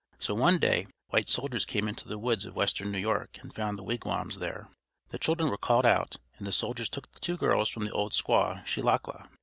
So one day white soldiers came into the woods of western New York and found the wigwams there. The children were called out, and the soldiers took the two girls from the old squaw Shelackla.